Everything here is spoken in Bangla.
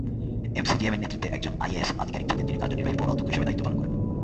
এমসিজিএম-এর নেতৃত্বে একজন আইএএস আধিকারিক থাকেন, যিনি কার্যনির্বাহী পৌর অধ্যক্ষ হিসাবে দায়িত্ব পালন করেন।